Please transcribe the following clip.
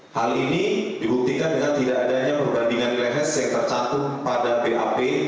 hal ini dibuktikan dengan tidak adanya perbandingan nilai hes yang tercantum pada bap